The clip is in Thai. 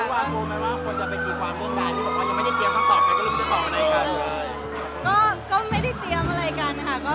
คุณบอกแล้วว่าคนอย่างก็อยู่ความว่างค่ะ